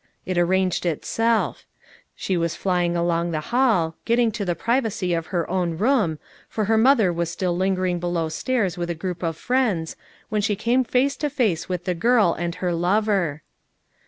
It arranged itself. She was flying along the hall, getting to the privacy of her own room, for her mother was still lingering below stairs with a group of friends, when she came face to face with the girl and her lover.